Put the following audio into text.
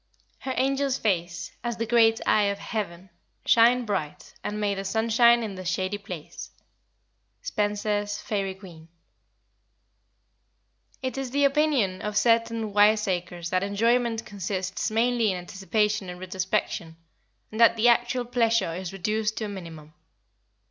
"Her angel's face, As the great eye of heaven, shyned bright. And made a sunshine in the shady place." SPENSER'S Faërie Queene. It is the opinion of certain wiseacres that enjoyment consists mainly in anticipation and retrospection, and that the actual pleasure is reduced to a minimum.